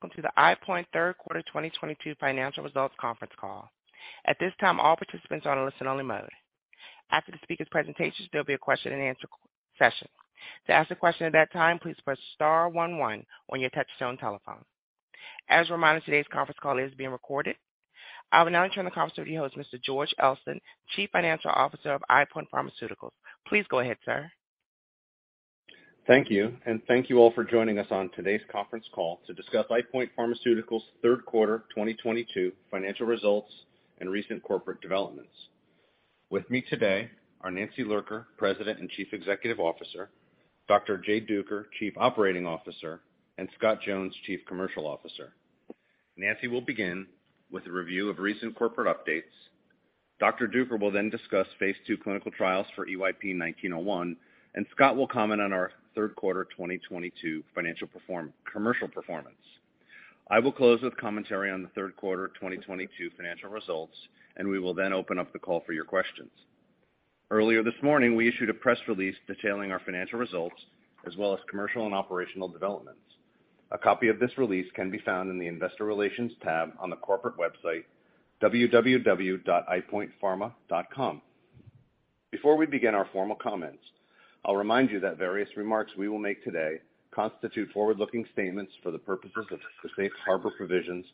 Welcome to the EyePoint Third Quarter 2022 Financial Results Conference Call. At this time, all participants are on a listen-only mode. After the speaker's presentations, there'll be a question-and-answer session. To ask a question at that time, please press star one one on your touchtone telephone. As a reminder, today's conference call is being recorded. I will now turn the conference over to your host, Mr. George Elston, Chief Financial Officer of EyePoint Pharmaceuticals. Please go ahead, sir. Thank you, and thank you all for joining us on today's conference call to discuss EyePoint Pharmaceuticals' third quarter 2022 financial results and recent corporate developments. With me today are Nancy Lurker, President and Chief Executive Officer, Dr. Jay Duker, Chief Operating Officer, and Scott Jones, Chief Commercial Officer. Nancy will begin with a review of recent corporate updates. Dr. Duker will then discuss phase II clinical trials for EYP-1901, and Scott will comment on our third quarter 2022 commercial performance. I will close with commentary on the third quarter of 2022 financial results, and we will then open up the call for your questions. Earlier this morning, we issued a press release detailing our financial results as well as commercial and operational developments. A copy of this release can be found in the Investor Relations tab on the corporate website, eyepointpharma.com. Before we begin our formal comments, I'll remind you that various remarks we will make today constitute forward-looking statements for the purposes of the Safe Harbor provisions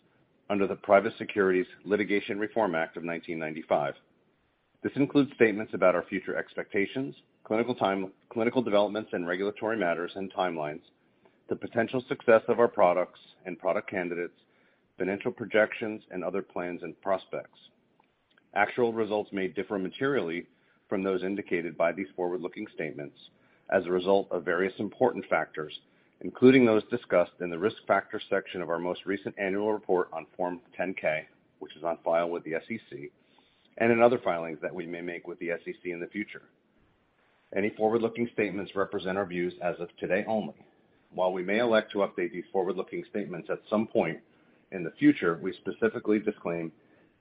under the Private Securities Litigation Reform Act of 1995. This includes statements about our future expectations, clinical developments and regulatory matters and timelines, the potential success of our products and product candidates, financial projections, and other plans and prospects. Actual results may differ materially from those indicated by these forward-looking statements as a result of various important factors, including those discussed in the Risk Factors section of our most recent annual report on Form 10-K, which is on file with the SEC, and in other filings that we may make with the SEC in the future. Any forward-looking statements represent our views as of today only. While we may elect to update these forward-looking statements at some point in the future, we specifically disclaim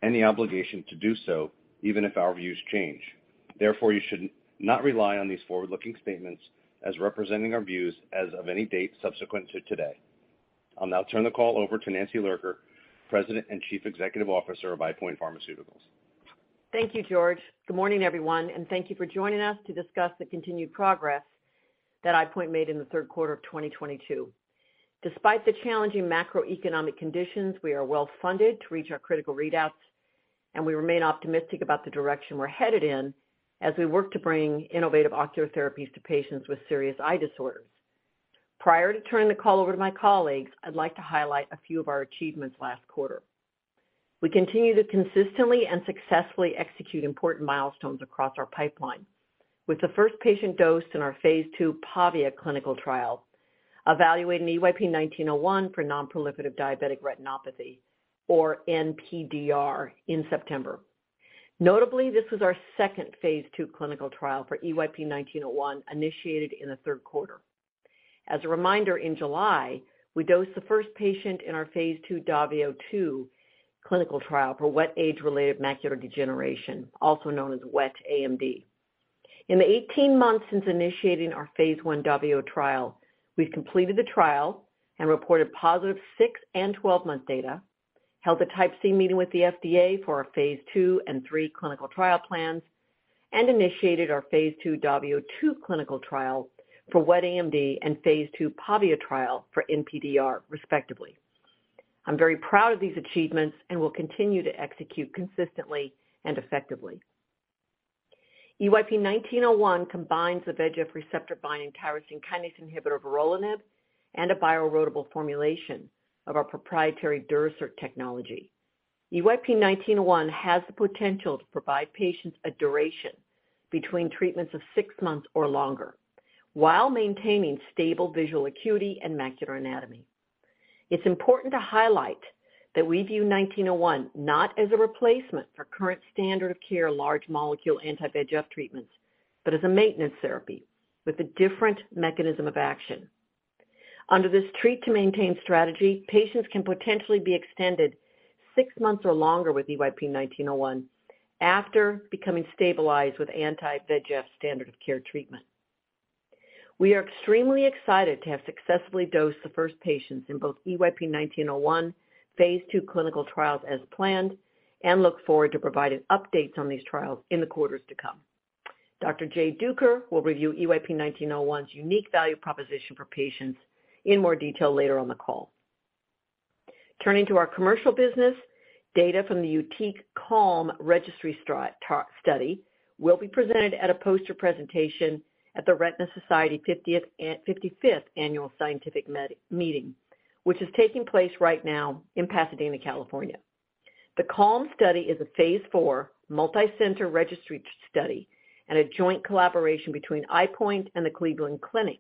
any obligation to do so, even if our views change. Therefore, you should not rely on these forward-looking statements as representing our views as of any date subsequent to today. I'll now turn the call over to Nancy Lurker, President and Chief Executive Officer of EyePoint Pharmaceuticals. Thank you, George. Good morning, everyone, and thank you for joining us to discuss the continued progress that EyePoint made in the third quarter of 2022. Despite the challenging macroeconomic conditions, we are well-funded to reach our critical readouts, and we remain optimistic about the direction we're headed in as we work to bring innovative ocular therapies to patients with serious eye disorders. Prior to turning the call over to my colleagues, I'd like to highlight a few of our achievements last quarter. We continue to consistently and successfully execute important milestones across our pipeline with the first patient dose in our phase II PAVIA clinical trial evaluating EYP-1901 for non-proliferative diabetic retinopathy, or NPDR, in September. Notably, this was our second phase II clinical trial for EYP-1901 initiated in the third quarter. As a reminder, in July, we dosed the first patient in our phase II DAVIO 2 clinical trial for wet age-related macular degeneration, also known as wet AMD. In the 18 months since initiating our phase I DAVIO trial, we've completed the trial and reported positive six and 12-month data, held a Type C meeting with the FDA for our phase II and III clinical trial plans, and initiated our phase II DAVIO 2 clinical trial for wet AMD and phase II PAVIA trial for NPDR, respectively. I'm very proud of these achievements and will continue to execute consistently and effectively. EYP-1901 combines the VEGF receptor binding tyrosine kinase inhibitor vorolanib and a bioerodible formulation of our proprietary Durasert technology. EYP-1901 has the potential to provide patients a duration between treatments of six months or longer while maintaining stable visual acuity and macular anatomy. It's important to highlight that we view EYP-1901 not as a replacement for current standard of care large molecule anti-VEGF treatments, but as a maintenance therapy with a different mechanism of action. Under this treat-to-maintain strategy, patients can potentially be extended six months or longer with EYP-1901 after becoming stabilized with anti-VEGF standard of care treatment. We are extremely excited to have successfully dosed the first patients in both EYP-1901 phase II clinical trials as planned and look forward to providing updates on these trials in the quarters to come. Dr. Jay Duker will review EYP-1901's unique value proposition for patients in more detail later on the call. Turning to our commercial business, data from the YUTIQ CALM registry study will be presented at a poster presentation at The Retina Society 55th Annual Scientific Meeting, which is taking place right now in Pasadena, California. The CALM study is a phase IV multi-center registry study and a joint collaboration between EyePoint and the Cleveland Clinic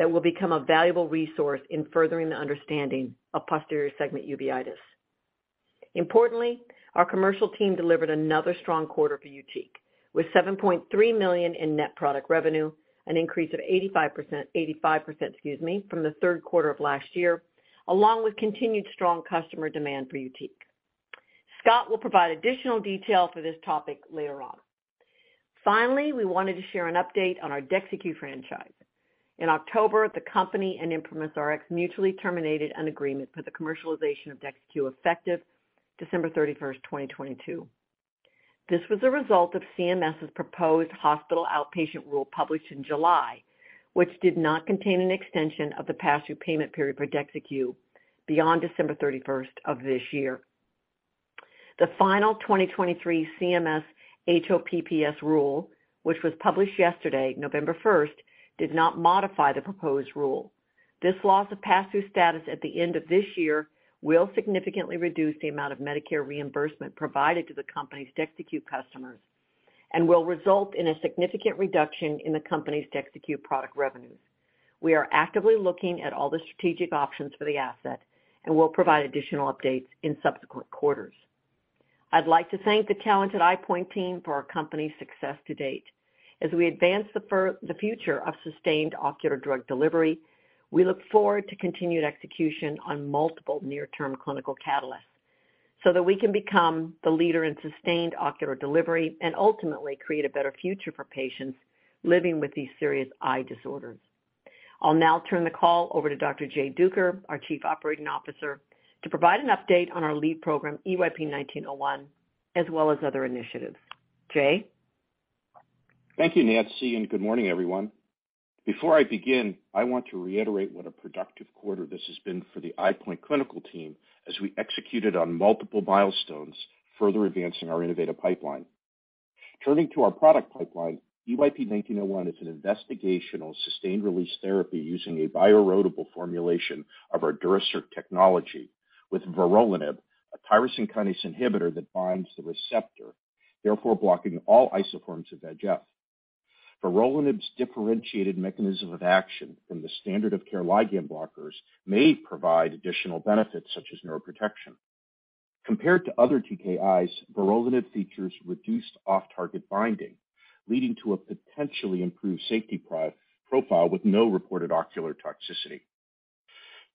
that will become a valuable resource in furthering the understanding of posterior segment uveitis. Importantly, our commercial team delivered another strong quarter for YUTIQ, with $7.3 million in net product revenue, an increase of 85%, excuse me, from the third quarter of last year, along with continued strong customer demand for YUTIQ. Scott will provide additional detail for this topic later on. Finally, we wanted to share an update on our DEXYCU franchise. In October, the company and ImprimisRx mutually terminated an agreement for the commercialization of DEXYCU effective December 31st, 2022. This was a result of CMS's proposed hospital outpatient rule published in July, which did not contain an extension of the pass-through payment period for DEXYCU beyond December 31st of this year. The final 2023 CMS OPPS rule, which was published yesterday, November 1st, did not modify the proposed rule. This loss of pass-through status at the end of this year will significantly reduce the amount of Medicare reimbursement provided to the company's DEXYCU customers and will result in a significant reduction in the company's DEXYCU product revenues. We are actively looking at all the strategic options for the asset and will provide additional updates in subsequent quarters. I'd like to thank the talented EyePoint team for our company's success to date. As we advance the future of sustained ocular drug delivery, we look forward to continued execution on multiple near-term clinical catalysts so that we can become the leader in sustained ocular delivery and ultimately create a better future for patients living with these serious eye disorders. I'll now turn the call over to Dr. Jay Duker, our Chief Operating Officer, to provide an update on our lead program, EYP-1901, as well as other initiatives. Jay? Thank you, Nancy, and good morning, everyone. Before I begin, I want to reiterate what a productive quarter this has been for the EyePoint clinical team as we executed on multiple milestones, further advancing our innovative pipeline. Turning to our product pipeline, EYP-1901 is an investigational sustained-release therapy using a bioerodible formulation of our Durasert technology with vorolanib, a tyrosine kinase inhibitor that binds the receptor, therefore blocking all isoforms of VEGF. Vorolanib's differentiated mechanism of action from the standard of care ligand blockers may provide additional benefits such as neuroprotection. Compared to other TKIs, vorolanib features reduced off-target binding, leading to a potentially improved safety profile with no reported ocular toxicity.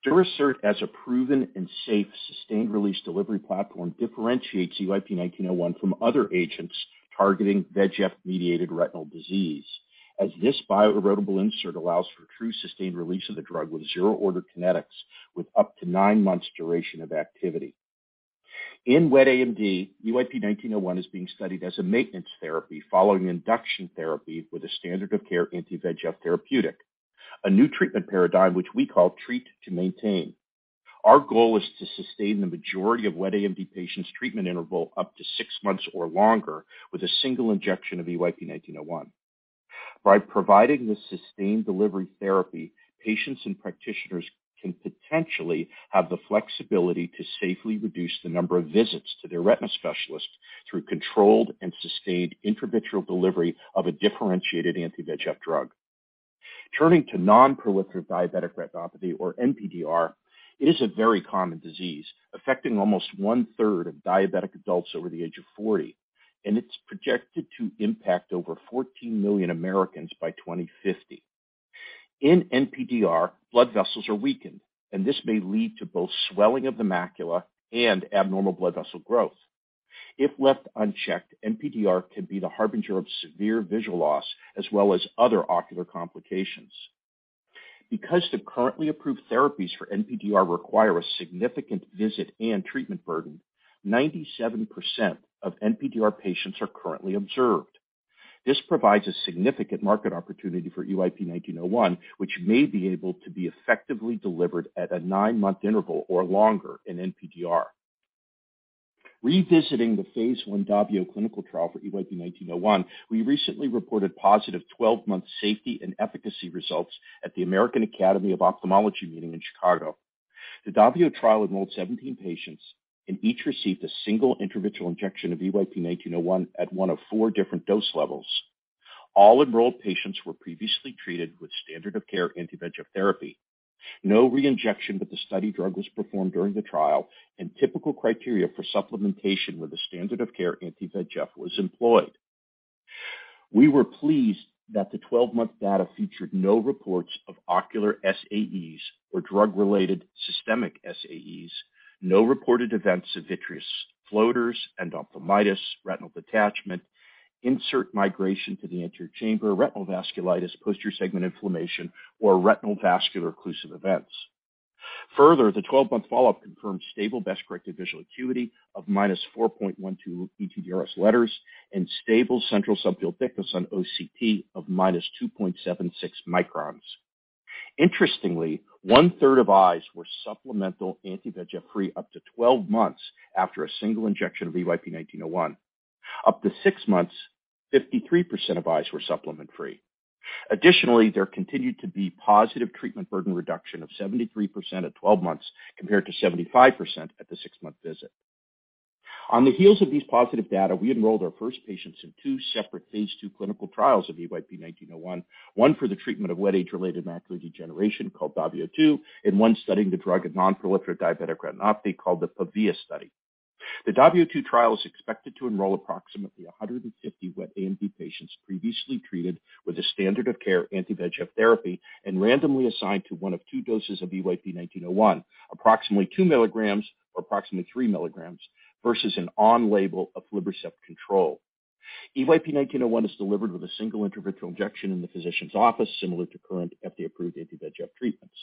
Durasert as a proven and safe sustained-release delivery platform differentiates EYP-1901 from other agents targeting VEGF-mediated retinal disease, as this bioerodible insert allows for true sustained release of the drug with zero-order kinetics with up to nine months duration of activity. In wet AMD, EYP-1901 is being studied as a maintenance therapy following induction therapy with a standard of care anti-VEGF therapeutic, a new treatment paradigm which we call Treat to Maintain. Our goal is to sustain the majority of wet AMD patients' treatment interval up to six months or longer with a single injection of EYP-1901. By providing this sustained delivery therapy, patients and practitioners can potentially have the flexibility to safely reduce the number of visits to their retina specialist through controlled and sustained intravitreal delivery of a differentiated anti-VEGF drug. Turning to non-proliferative diabetic retinopathy, or NPDR, it is a very common disease affecting almost one-third of diabetic adults over the age of 40, and it's projected to impact over 14 million Americans by 2050. In NPDR, blood vessels are weakened, and this may lead to both swelling of the macula and abnormal blood vessel growth. If left unchecked, NPDR can be the harbinger of severe visual loss as well as other ocular complications. Because the currently approved therapies for NPDR require a significant visit and treatment burden, 97% of NPDR patients are currently observed. This provides a significant market opportunity for EYP-1901, which may be able to be effectively delivered at a nine-month interval or longer in NPDR. Revisiting the phase I DAVIO clinical trial for EYP-1901, we recently reported positive 12-month safety and efficacy results at the American Academy of Ophthalmology meeting in Chicago. The DAVIO trial enrolled 17 patients, and each received a single intravitreal injection of EYP-1901 at one of four different dose levels. All enrolled patients were previously treated with standard of care anti-VEGF therapy. No reinjection of the study drug was performed during the trial, and typical criteria for supplementation with a standard of care anti-VEGF was employed. We were pleased that the 12-month data featured no reports of ocular SAEs or drug-related systemic SAEs. No reported events of vitreous floaters, endophthalmitis, retinal detachment, insert migration to the anterior chamber, retinal vasculitis, posterior segment inflammation, or retinal vascular occlusive events. Further, the 12-month follow-up confirmed stable best-corrected visual acuity of -4.12 ETDRS letters and stable central subfield thickness on OCT of -2.76 microns. Interestingly, one-third of eyes were supplemental anti-VEGF free up to 12 months after a single injection of EYP-1901. Up to six months, 53% of eyes were supplement free. Additionally, there continued to be positive treatment burden reduction of 73% at 12 months compared to 75% at the six-month visit. On the heels of these positive data, we enrolled our first patients in two separate phase II clinical trials of EYP-1901, one for the treatment of wet age-related macular degeneration called DAVIO 2, and one studying the drug in non-proliferative diabetic retinopathy called the PAVIA study. The DAVIO 2 trial is expected to enroll approximately 150 wet AMD patients previously treated with a standard of care anti-VEGF therapy and randomly assigned to one of two doses of EYP-1901, approximately 2 milligrams or approximately 3 milligrams versus an on-label aflibercept control. EYP-1901 is delivered with a single intravitreal injection in the physician's office, similar to current FDA-approved anti-VEGF treatments.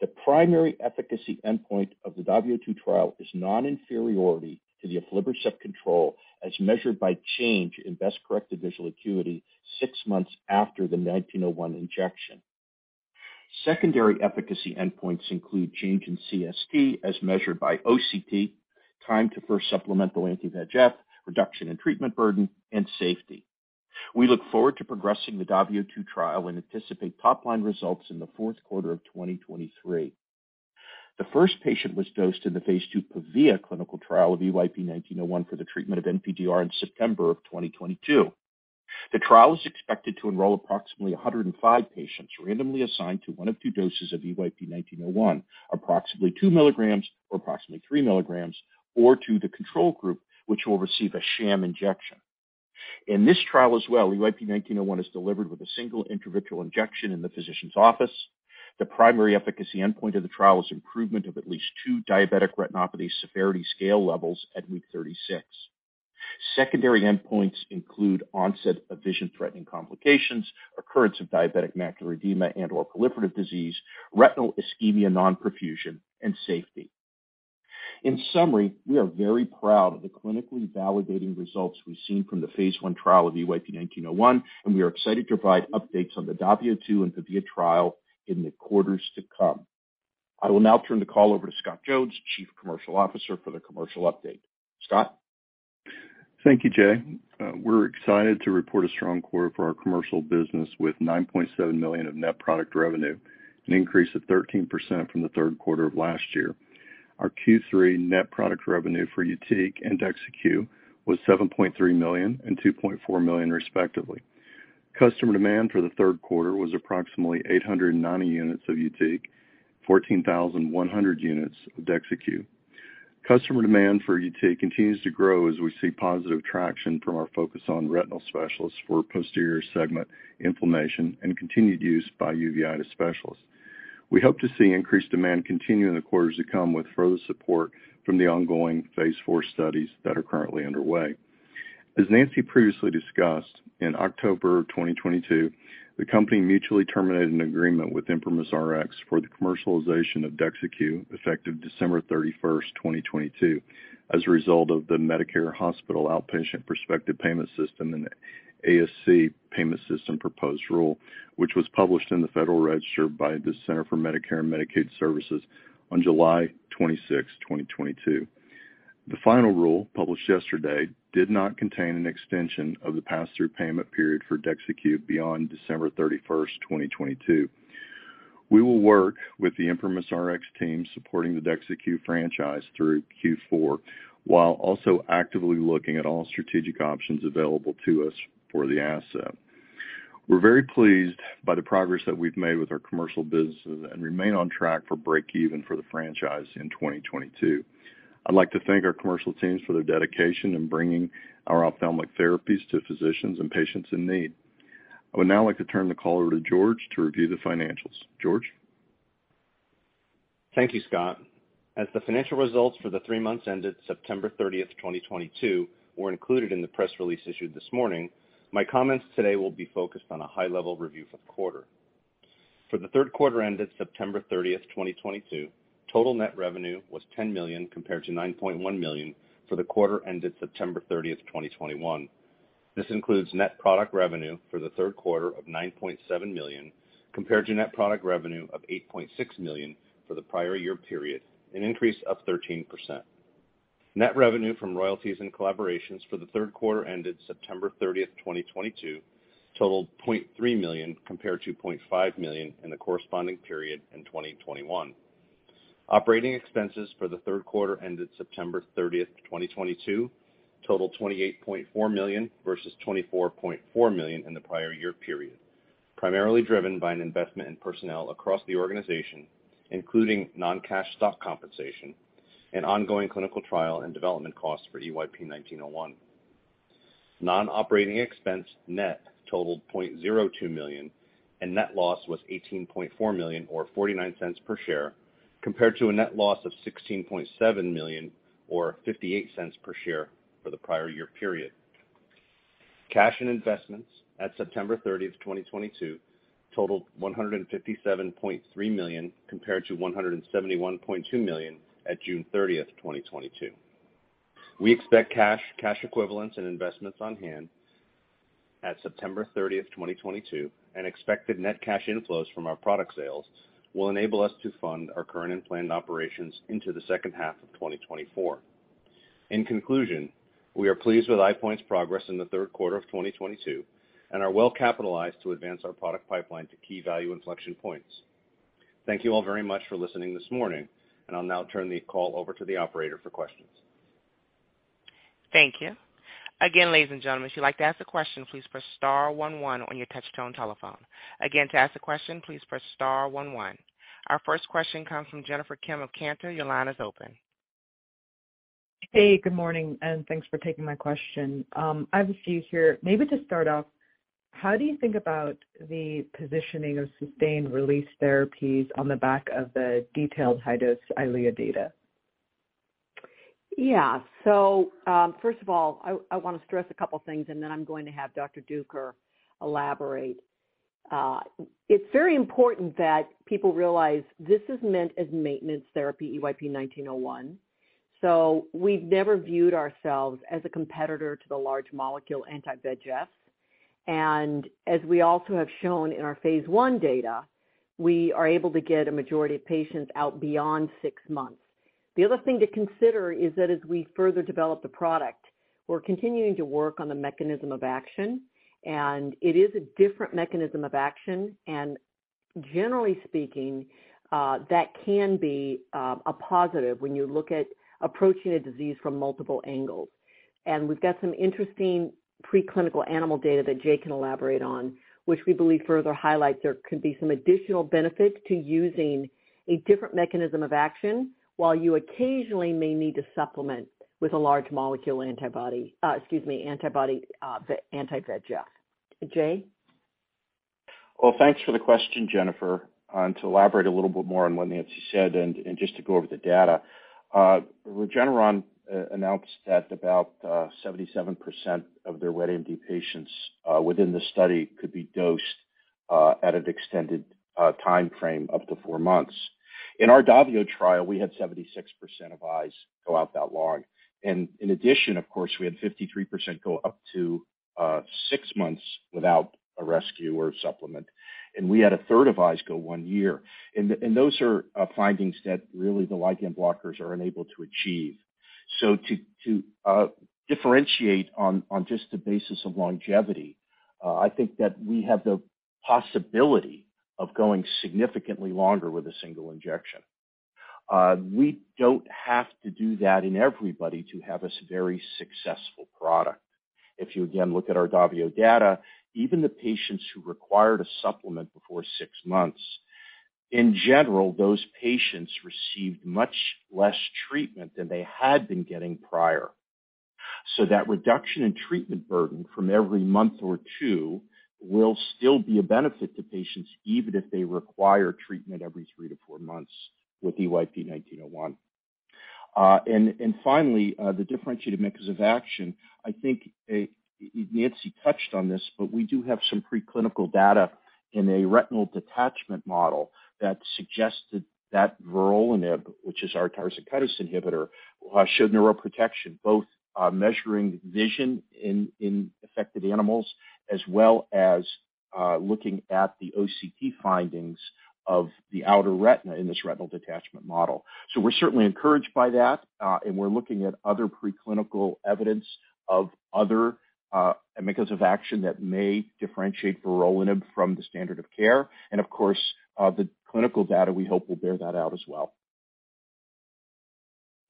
The primary efficacy endpoint of the DAVIO 2 trial is non-inferiority to the aflibercept control as measured by change in best-corrected visual acuity six months after the 1901 injection. Secondary efficacy endpoints include change in CST as measured by OCT, time to first supplemental anti-VEGF, reduction in treatment burden, and safety. We look forward to progressing the DAVIO 2 trial and anticipate top-line results in the fourth quarter of 2023. The first patient was dosed in the phase II PAVIA clinical trial of EYP-1901 for the treatment of NPDR in September of 2022. The trial is expected to enroll approximately 105 patients randomly assigned to one of two doses of EYP-1901, approximately 2 milligrams or approximately 3 milligrams, or to the control group, which will receive a sham injection. In this trial as well, EYP-1901 is delivered with a single intravitreal injection in the physician's office. The primary efficacy endpoint of the trial is improvement of at least two Diabetic Retinopathy Severity Scale levels at week 36. Secondary endpoints include onset of vision-threatening complications, occurrence of diabetic macular edema and/or proliferative disease, retinal ischemia, non-perfusion, and safety. In summary, we are very proud of the clinically validating results we've seen from the phase I trial of EYP-1901, and we are excited to provide updates on the DAVIO 2 and PAVIA trial in the quarters to come. I will now turn the call over to Scott Jones, Chief Commercial Officer, for the commercial update. Scott? Thank you, Jay. We're excited to report a strong quarter for our commercial business with $9.7 million of net product revenue, an increase of 13% from the third quarter of last year. Our Q3 net product revenue for YUTIQ and DEXYCU was $7.3 million and $2.4 million, respectively. Customer demand for the third quarter was approximately 890 units of YUTIQ, 14,100 units of DEXYCU. Customer demand for YUTIQ continues to grow as we see positive traction from our focus on retinal specialists for posterior segment inflammation and continued use by uveitis specialists. We hope to see increased demand continue in the quarters to come with further support from the ongoing phase IV studies that are currently underway. As Nancy previously discussed, in October 2022, the company mutually terminated an agreement with ImprimisRx for the commercialization of DEXYCU effective December 31st, 2022 as a result of the Medicare hospital outpatient prospective payment system and ASC payment system proposed rule, which was published in the Federal Register by the Centers for Medicare & Medicaid Services on July 26, 2022. The final rule, published yesterday, did not contain an extension of the pass-through payment period for DEXYCU beyond December 31st, 2022. We will work with the ImprimisRx team supporting the DEXYCU franchise through Q4, while also actively looking at all strategic options available to us for the asset. We're very pleased by the progress that we've made with our commercial businesses and remain on track for breakeven for the franchise in 2022. I'd like to thank our commercial teams for their dedication in bringing our ophthalmic therapies to physicians and patients in need. I would now like to turn the call over to George to review the financials. George? Thank you, Scott. As the financial results for the three months ended September 30th, 2022 were included in the press release issued this morning, my comments today will be focused on a high-level review for the quarter. For the third quarter ended September 30th, 2022, total net revenue was $10 million compared to $9.1 million for the quarter ended September 30th, 2021. This includes net product revenue for the third quarter of $9.7 million compared to net product revenue of $8.6 million for the prior year period, an increase of 13%. Net revenue from royalties and collaborations for the third quarter ended September 30th, 2022 totaled $0.3 million compared to $0.5 million in the corresponding period in 2021. Operating expenses for the third quarter ended September 30th, 2022 totaled $28.4 million versus $24.4 million in the prior year period, primarily driven by an investment in personnel across the organization, including non-cash stock compensation and ongoing clinical trial and development costs for EYP-1901. Non-operating expense net totaled $0.02 million, and net loss was $18.4 million or $0.49 per share, compared to a net loss of $16.7 million or $0.58 per share for the prior year period. Cash and investments at September 30, 2022 totaled $157.3 million compared to $171.2 million at June 30th, 2022. We expect cash equivalents, and investments on hand at September 30th, 2022, and expected net cash inflows from our product sales will enable us to fund our current and planned operations into the second half of 2024. In conclusion, we are pleased with EyePoint's progress in the third quarter of 2022 and are well-capitalized to advance our product pipeline to key value inflection points. Thank you all very much for listening this morning, and I'll now turn the call over to the operator for questions. Thank you. Again, ladies and gentlemen, if you'd like to ask a question, please press star one one on your touch-tone telephone. Again, to ask a question, please press star one one. Our first question comes from Jennifer Kim of Cantor. Your line is open. Hey, good morning, and thanks for taking my question. I have a few here. Maybe to start off, how do you think about the positioning of sustained-release therapies on the back of the detailed high-dose EYLEA data? Yeah. First of all, I wanna stress a couple things, and then I'm going to have Dr. Duker elaborate. It's very important that people realize this is meant as maintenance therapy, EYP-1901. So we've never viewed ourselves as a competitor to the large molecule anti-VEGF. As we also have shown in our phase I data, we are able to get a majority of patients out beyond six months. The other thing to consider is that as we further develop the product, we're continuing to work on the mechanism of action, and it is a different mechanism of action. And generally speaking, that can be a positive when you look at approaching a disease from multiple angles. And we've got some interesting preclinical animal data that Jay can elaborate on, which we believe further highlights there could be some additional benefit to using a different mechanism of action, while you occasionally may need to supplement with a large molecule antibody excuse me antibody anti-VEGF. Jay? Well, thanks for the question, Jennifer. To elaborate a little bit more on what Nancy said and just to go over the data, Regeneron announced that about 77% of their wet AMD patients within the study could be dosed at an extended timeframe up to four months. In our DAVIO trial, we had 76% of eyes go out that long. In addition, of course, we had 53% go up to six months without a rescue or supplement. We had a third of eyes go one year. And those are findings that really the ligand blockers are unable to achieve. To differentiate on just the basis of longevity, I think that we have the possibility of going significantly longer with a single injection. We don't have to do that in everybody to have this very successful product. If you again look at our DAVIO data, even the patients who required a supplement before six months, in general, those patients received much less treatment than they had been getting prior. So that reduction in treatment burden from every month or two will still be a benefit to patients, even if they require treatment every three to four months with EYP-1901. And finally, the differentiated mechanism of action, I think, Nancy touched on this, but we do have some preclinical data in a retinal detachment model that suggested that vorolanib, which is our tyrosine kinase inhibitor, showed neuroprotection, both measuring vision in affected animals, as well as looking at the OCT findings of the outer retina in this retinal detachment model. So we're certainly encouraged by that, and we're looking at other preclinical evidence of other mechanisms of action that may differentiate vorolanib from the standard of care. And of course, the clinical data, we hope, will bear that out as well.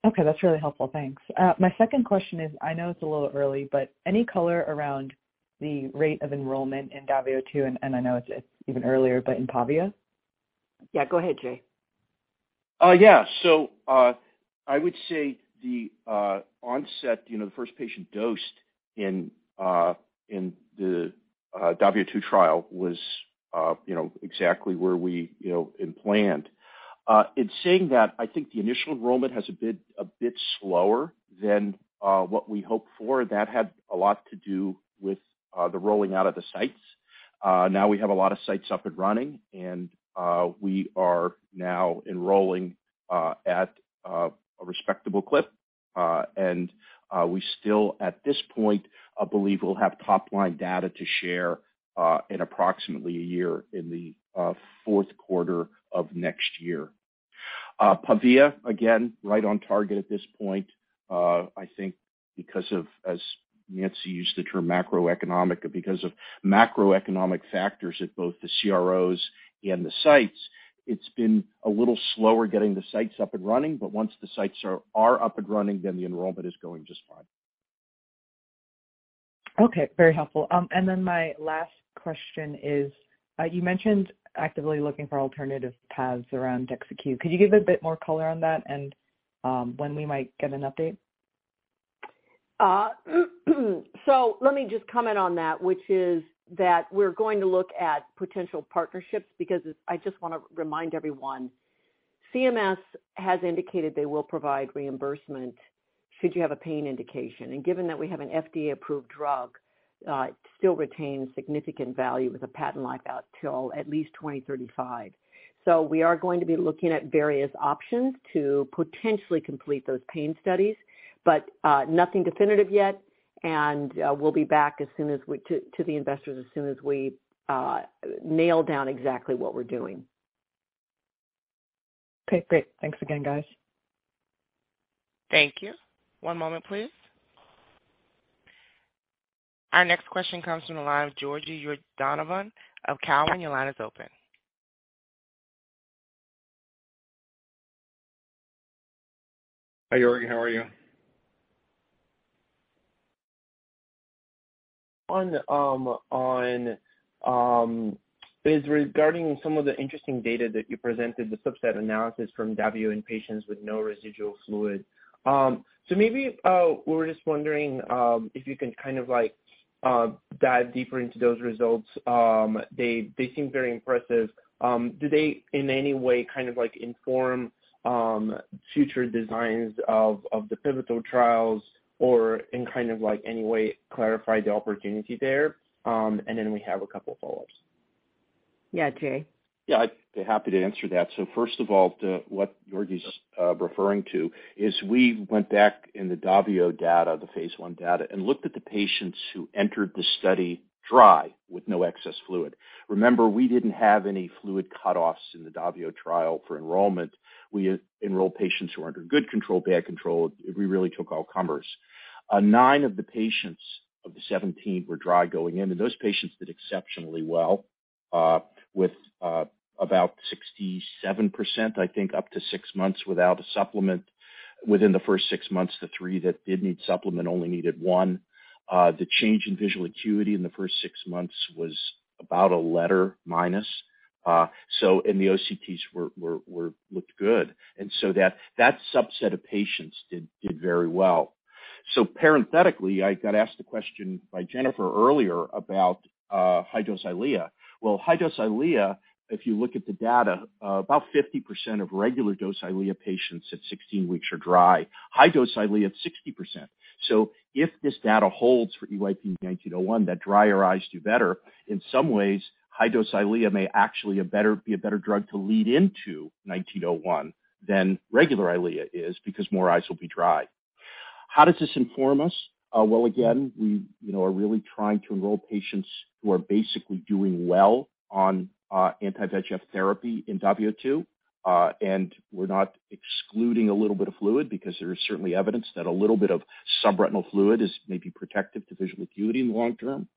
Okay, that's really helpful. Thanks. My second question is, I know it's a little early, but any color around the rate of enrollment in DAVIO 2, and I know it's even earlier, but in PAVIA? Yeah, go ahead, Jay. Yeah. I would say the onset, you know, the first patient dosed in the DAVIO 2 trial was, you know, exactly where we, you know, had planned. In saying that, I think the initial enrollment has a bit slower than what we hoped for. That had a lot to do with the rolling out of the sites. Now we have a lot of sites up and running, and we are now enrolling at a respectable clip. And we still, at this point, believe we'll have top-line data to share in approximately a year in the fourth quarter of next year. PAVIA, again, right on target at this point. I think because of, as Nancy used the term macroeconomic, because of macroeconomic factors at both the CROs and the sites, it's been a little slower getting the sites up and running. But once the sites are up and running, then the enrollment is going just fine. Okay, very helpful. My last question is, you mentioned actively looking for alternative paths around DEXYCU. Could you give a bit more color on that and when we might get an update? So let me just comment on that, which is that we're going to look at potential partnerships because I just wanna remind everyone, CMS has indicated they will provide reimbursement should you have a pain indication. And given that we have an FDA-approved drug, it still retains significant value with a patent life out till at least 2035. So we are going to be looking at various options to potentially complete those pain studies, but nothing definitive yet. And we'll be back to the investors as soon as we nail down exactly what we're doing. Okay, great. Thanks again, guys. Thank you. One moment, please. Our next question comes from the line of Georgi Yordanov of Cowen. Your line is open. Hi, Georgie. How are you? It is regarding some of the interesting data that you presented, the subset analysis from DAVIO in patients with no residual fluid. So maybe we were just wondering if you can kind of like dive deeper into those results. They seem very impressive. Do they in any way kind of like inform future designs of the pivotal trials or in kind of like any way clarify the opportunity there? And then we have a couple of follow-ups. Yeah, Jay. Yeah, I'd be happy to answer that. First of all, to what Georgi is referring to is we went back in the DAVIO data, the phase I data, and looked at the patients who entered the study dry with no excess fluid. Remember, we didn't have any fluid cutoffs in the DAVIO trial for enrollment. We enrolled patients who were under good control, bad control. We really took all comers. Nine of the patients of the 17 were dry going in, and those patients did exceptionally well with about 67%, I think, up to six months without a supplement. Within the first six months, the three that did need supplement only needed one. The change in visual acuity in the first six months was about a letter minus. And the OCTs looked good. And so that subset of patients did very well. Parenthetically, I got asked a question by Jennifer earlier about high-dose EYLEA. Well, high-dose EYLEA, if you look at the data, about 50% of regular dose EYLEA patients at 16 weeks are dry. High-dose EYLEA, it's 60%. If this data holds for EYP-1901, that drier eyes do better, in some ways, high-dose EYLEA may actually be a better drug to lead into 1901 than regular EYLEA is because more eyes will be dry. How does this inform us? Well, again, we you know are really trying to enroll patients who are basically doing well on anti-VEGF therapy in DAVIO 2. And we're not excluding a little bit of fluid because there is certainly evidence that a little bit of subretinal fluid is maybe protective to visual acuity in the long term.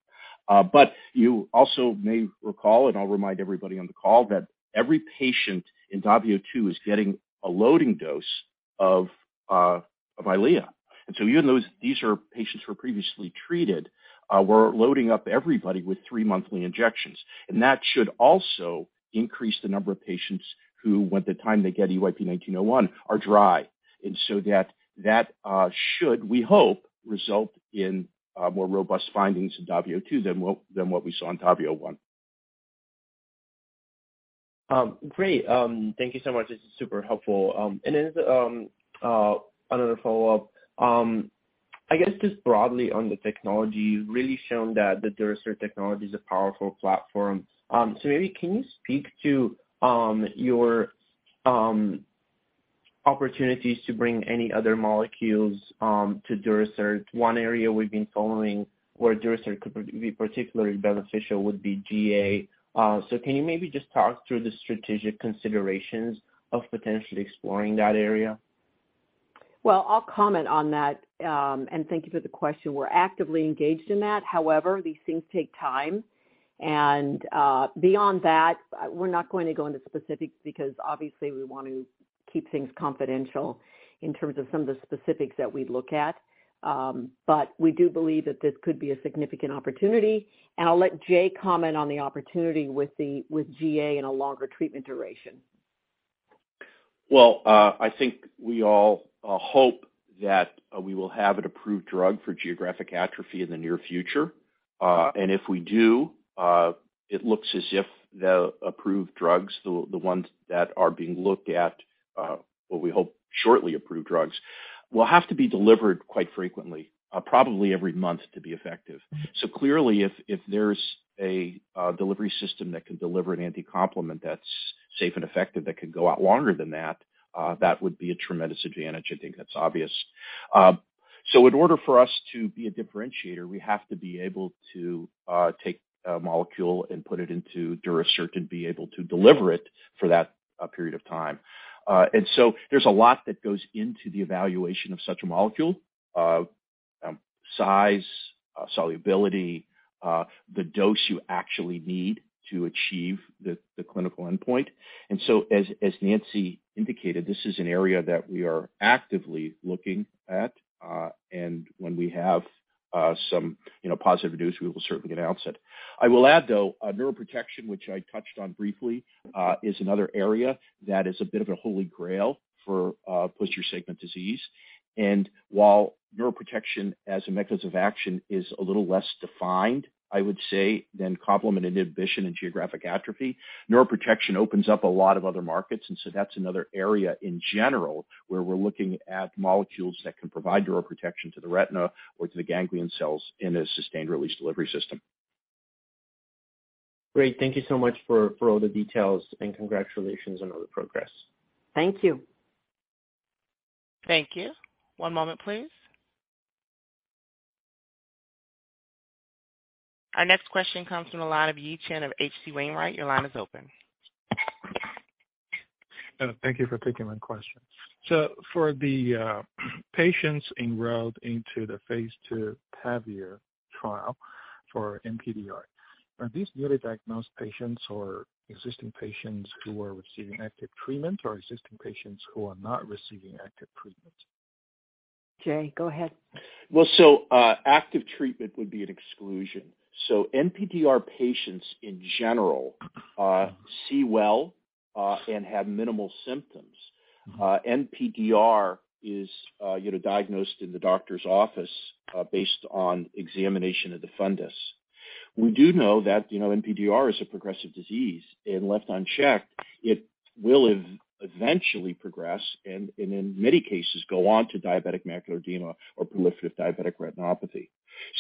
But you also may recall, and I'll remind everybody on the call, that every patient in DAVIO 2 is getting a loading dose of EYLEA. Even though these are patients who were previously treated, we're loading up everybody with three monthly injections. That should also increase the number of patients who, when the time they get EYP-1901, are dry. And so that should, we hope, result in more robust findings in DAVIO 2 than what we saw in DAVIO. Great. Thank you so much. This is super helpful. Another follow-up. I guess just broadly on the technology has really shown that the Durasert technology is a powerful platform. Maybe can you speak to your opportunities to bring any other molecules to Durasert? One area we've been following where Durasert could be particularly beneficial would be GA. Can you maybe just talk through the strategic considerations of potentially exploring that area? Well, I'll comment on that, and thank you for the question. We're actively engaged in that. However, these things take time. Beyond that, we're not going to go into specifics because obviously we want to keep things confidential in terms of some of the specifics that we'd look at. But we do believe that this could be a significant opportunity. I'll let Jay comment on the opportunity with GA in a longer treatment duration. Well, I think we all hope that we will have an approved drug for geographic atrophy in the near future. If we do, it looks as if the approved drugs, the ones that are being looked at, what we hope shortly approved drugs, will have to be delivered quite frequently, probably every month to be effective. So clearly, if there's a delivery system that can deliver an anticomplement that's safe and effective, that can go out longer than that would be a tremendous advantage. I think that's obvious. In order for us to be a differentiator, we have to be able to take a molecule and put it into Durasert and be able to deliver it for that period of time. And so there's a lot that goes into the evaluation of such a molecule: size, solubility, the dose you actually need to achieve the clinical endpoint. And so as Nancy indicated, this is an area that we are actively looking at. When we have some, you know, positive news, we will certainly announce it. I will add, though, neuroprotection, which I touched on briefly, is another area that is a bit of a holy grail for posterior segment disease. And while neuroprotection as a mechanism of action is a little less defined, I would say, than complement inhibition in geographic atrophy, neuroprotection opens up a lot of other markets. And that's another area in general where we're looking at molecules that can provide neuroprotection to the retina or to the ganglion cells in a sustained release delivery system. Great. Thank you so much for all the details, and congratulations on all the progress. Thank you. Thank you. One moment, please. Our next question comes from the line of Yi Chen of H.C. Wainwright. Your line is open. Thank you for taking my question. For the patients enrolled into the phase II PAVIA trial for NPDR, are these newly diagnosed patients or existing patients who are receiving active treatment or existing patients who are not receiving active treatment? Jay, go ahead. Active treatment would be an exclusion. NPDR patients in general see well and have minimal symptoms. NPDR is, you know, diagnosed in the doctor's office based on examination of the fundus. We do know that, you know, NPDR is a progressive disease, and left unchecked, it will eventually progress and in many cases go on to diabetic macular edema or proliferative diabetic retinopathy.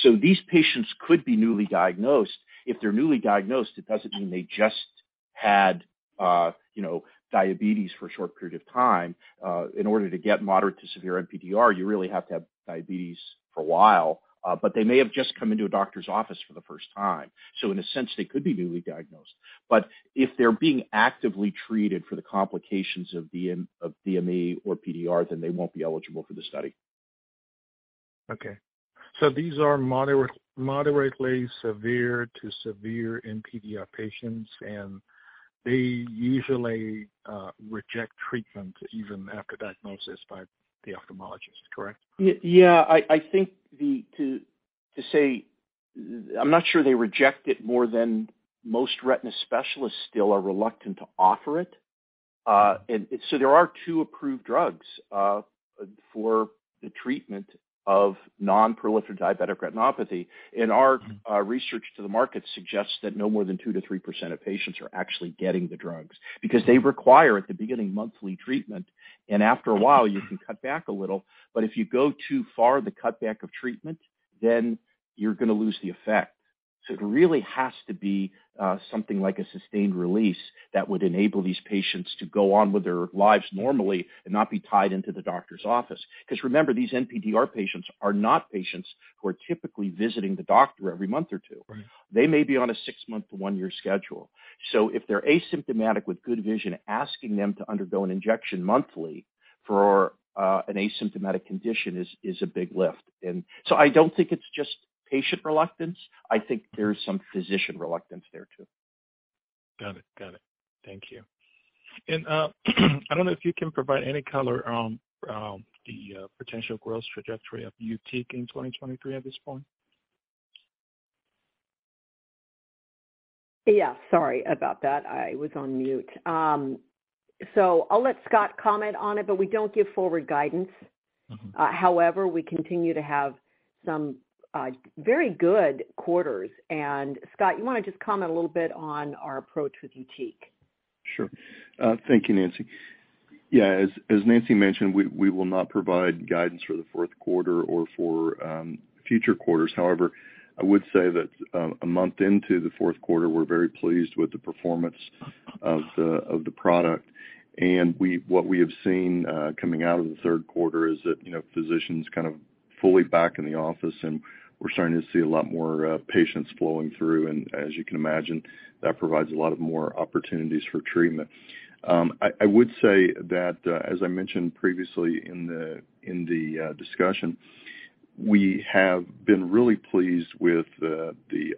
So these patients could be newly diagnosed. If they're newly diagnosed, it doesn't mean they just had, you know, diabetes for a short period of time. In order to get moderate to severe NPDR, you really have to have diabetes for a while. But they may have just come into a doctor's office for the first time. In a sense, they could be newly diagnosed. But if they're being actively treated for the complications of DME or PDR, then they won't be eligible for the study. Okay. So these are moderately severe to severe NPDR patients, and they usually reject treatment even after diagnosis by the ophthalmologist. Correct? Yeah. I think to say I'm not sure they reject it more than most retina specialists still are reluctant to offer it. There are two approved drugs for the treatment of non-proliferative diabetic retinopathy. Our research into the market suggests that no more than 2%-3% of patients are actually getting the drugs. Because they require, at the beginning, monthly treatment, and after a while you can cut back a little. If you go too far, the cutback of treatment, then you're gonna lose the effect. It really has to be something like a sustained release that would enable these patients to go on with their lives normally and not be tied into the doctor's office. Because remember, these NPDR patients are not patients who are typically visiting the doctor every month or two. They may be on a six-month to one-year schedule. If they're asymptomatic with good vision, asking them to undergo an injection monthly for an asymptomatic condition is a big lift. I don't think it's just patient reluctance. I think there's some physician reluctance there too. Got it. Got it. Thank you. I don't know if you can provide any color on the potential growth trajectory of YUTIQ in 2023 at this point. Yeah. Sorry about that. I was on mute. I'll let Scott comment on it, but we don't give forward guidance. However, we continue to have some very good quarters. Scott, you wanna just comment a little bit on our approach with YUTIQ? Sure. Thank you, Nancy. Yeah. As Nancy mentioned, we will not provide guidance for the fourth quarter or for future quarters. However, I would say that a month into the fourth quarter, we're very pleased with the performance of the product. And what we have seen coming out of the third quarter is that, you know, physicians kind of fully back in the office, and we're starting to see a lot more patients flowing through. As you can imagine, that provides a lot more opportunities for treatment. I would say that, as I mentioned previously in the discussion, we have been really pleased with the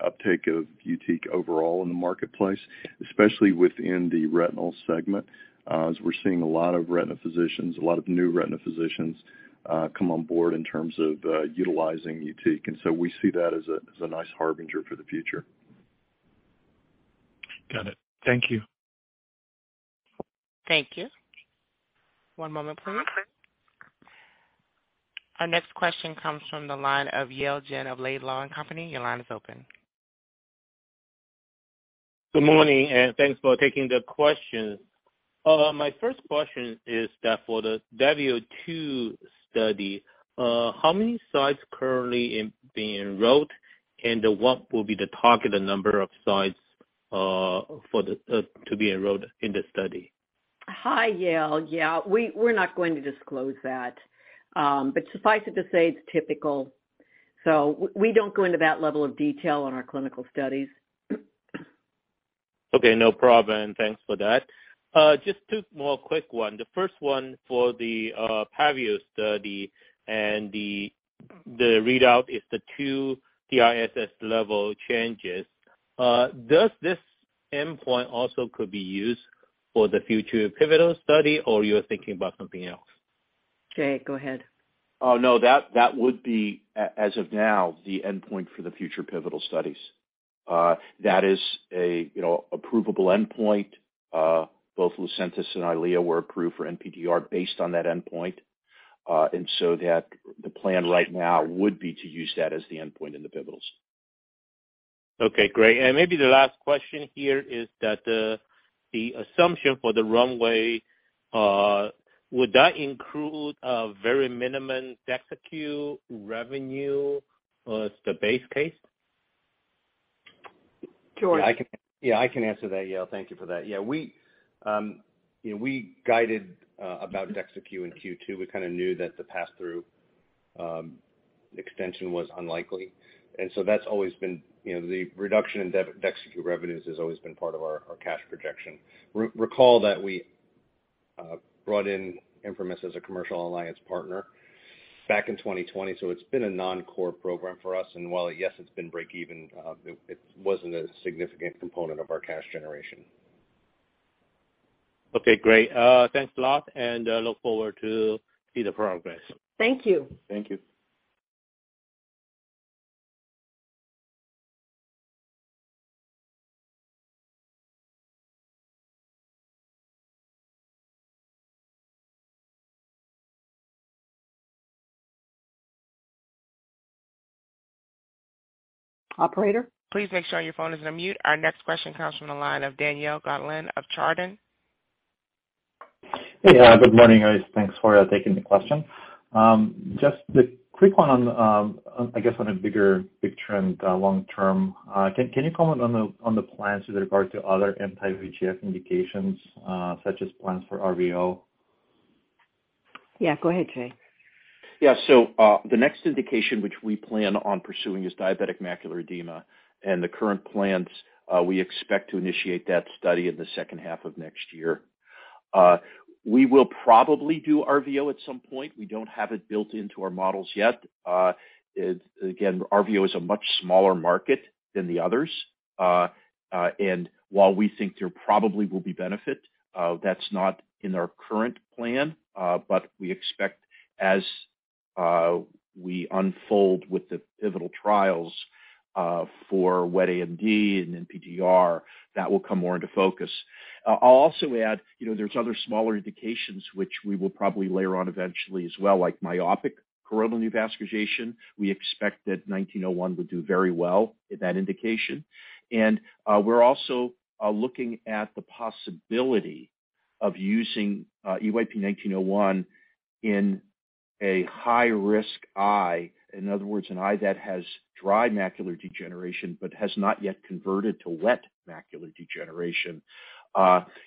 uptake of YUTIQ overall in the marketplace, especially within the retinal segment, as we're seeing a lot of retina physicians, a lot of new retina physicians, come on board in terms of utilizing YUTIQ. We see that as a nice harbinger for the future. Got it. Thank you. Thank you. One moment please. Our next question comes from the line of Yale Jen of Laidlaw & Company. Your line is open. Good morning, and thanks for taking the question. My first question is that for the W2 study, how many sites currently being enrolled, and what will be the targeted number of sites to be enrolled in the study? Hi, Yale. Yeah. We're not going to disclose that. Suffice it to say it's typical. We don't go into that level of detail on our clinical studies. Okay, no problem. Thanks for that. Just two more quick one. The first one for the PAVIA study and the readout is the two DRSS level changes. Does this endpoint also could be used for the future pivotal study, or you're thinking about something else? Jay, go ahead. Oh, no. That would be as of now, the endpoint for the future pivotal studies. That is, you know, approvable endpoint. Both Lucentis and EYLEA were approved for NPDR based on that endpoint. The plan right now would be to use that as the endpoint in the pivotals. Okay, great. Maybe the last question here is that, the assumption for the runway, would that include a very minimum DEXYCU revenue as the base case? George. Yeah, I can answer that, Yale. Thank you for that. Yeah, we you know we guided about DEXYCU in Q2. We kinda knew that the pass-through extension was unlikely. So that's always been, you know, the reduction in DEXYCU revenues has always been part of our cash projection. Recall that we brought in ImprimisRx as a commercial alliance partner back in 2020, so it's been a non-core program for us. While yes, it's been break even, it wasn't a significant component of our cash generation. Okay, great. Thanks a lot and look forward to see the progress. Thank you. Thank you. Operator. Please make sure your phone is on mute. Our next question comes from the line of Daniil Gataulin of Chardan. Hey. Good morning, guys. Thanks for taking the question. Just the quick one on a bigger trend long-term. Can you comment on the plans with regard to other anti-VEGF indications, such as plans for RVO? Yeah, go ahead, Jay. Yeah. So the next indication which we plan on pursuing is diabetic macular edema, and the current plans, we expect to initiate that study in the second half of next year. We will probably do RVO at some point. We don't have it built into our models yet. Again, RVO is a much smaller market than the others. And while we think there probably will be benefit, that's not in our current plan, but we expect as we unfold with the pivotal trials for wet AMD and NPDR, that will come more into focus. I'll also add, you know, there's other smaller indications which we will probably layer on eventually as well, like myopic choroidal neovascularization. We expect that 1901 would do very well in that indication. And we're also looking at the possibility of using EYP-1901 in a high-risk eye, in other words, an eye that has dry macular degeneration but has not yet converted to wet macular degeneration,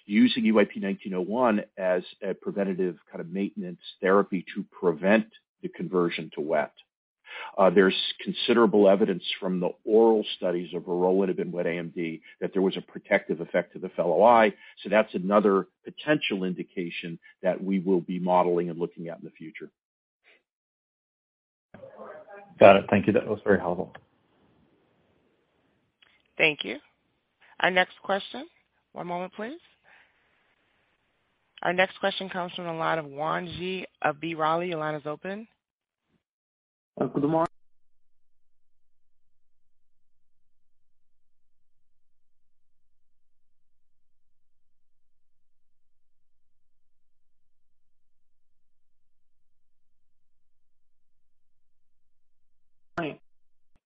using EYP-1901 as a preventative kind of maintenance therapy to prevent the conversion to wet. There's considerable evidence from the oral studies of vorolanib wet AMD that there was a protective effect to the fellow eye. That's another potential indication that we will be modeling and looking at in the future. Got it. Thank you. That was very helpful. Thank you. Our next question. One moment please. Our next question comes from the line of Yuan Zhi of B. Riley. Your line is open. Hi,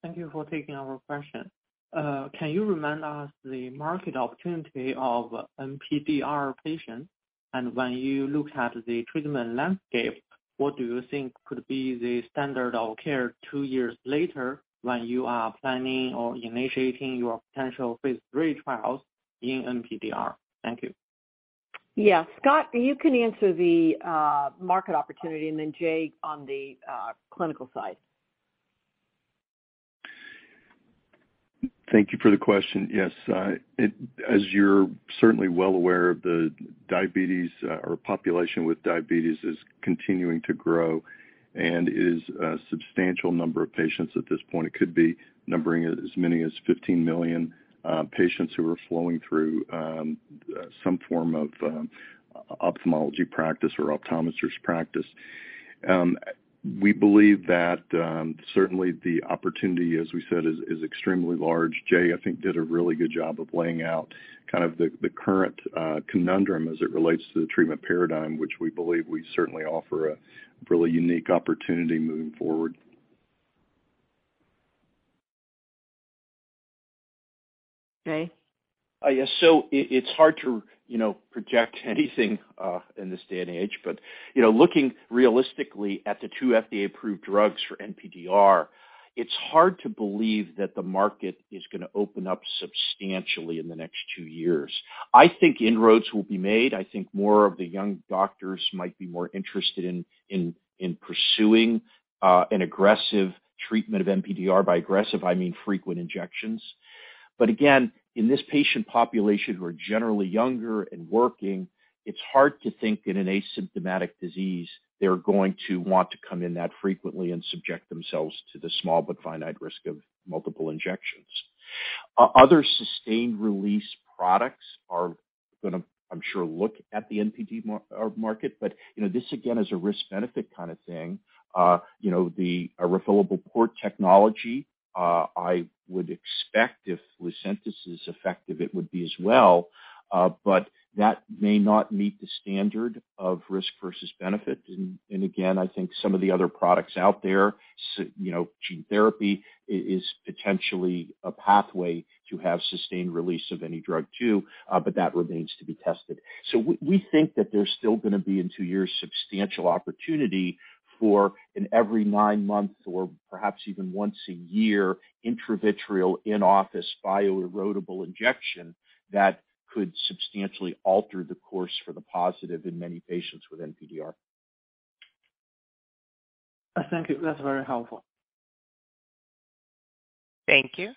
thank you for taking our question. Can you remind us the market opportunity of NPDR patients? When you look at the treatment landscape, what do you think could be the standard of care two years later when you are planning or initiating your potential phase III trials in NPDR? Thank you. Yeah. Scott, you can answer the market opportunity, and then Jay on the clinical side. Thank you for the question. Yes, as you're certainly well aware of the diabetes, or population with diabetes is continuing to grow and is a substantial number of patients at this point. It could be numbering as many as 15 million patients who are flowing through some form of ophthalmology practice or optometrist practice. We believe that certainly the opportunity, as we said, is extremely large. Jay, I think, did a really good job of laying out kind of the current conundrum as it relates to the treatment paradigm, which we believe we certainly offer a really unique opportunity moving forward. Jay. Yes. It's hard to, you know, project anything in this day and age, but you know, looking realistically at the two FDA-approved drugs for NPDR, it's hard to believe that the market is gonna open up substantially in the next two years. I think inroads will be made. I think more of the young doctors might be more interested in pursuing an aggressive treatment of NPDR. By aggressive, I mean, frequent injections. Again, in this patient population who are generally younger and working, it's hard to think in an asymptomatic disease, they're going to want to come in that frequently and subject themselves to the small but finite risk of multiple injections. Other sustained-release products are gonna, I'm sure, look at the NPDR market, but you know, this again, is a risk-benefit kind of thing. You know, the Port Delivery System, I would expect if Lucentis is effective, it would be as well. But that may not meet the standard of risk versus benefit. And again, I think some of the other products out there, you know, gene therapy is potentially a pathway to have sustained release of any drug too, but that remains to be tested. We think that there's still gonna be in two years substantial opportunity for an every nine months or perhaps even once a year intravitreal in-office bioerodible injection that could substantially alter the course for the positive in many patients with NPDR. Thank you. That's very helpful. Thank you.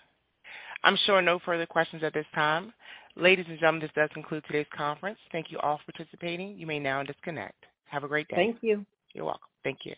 I'm showing no further questions at this time. Ladies and gentlemen, this does conclude today's conference. Thank you all for participating. You may now disconnect. Have a great day. Thank you. You're welcome. Thank you.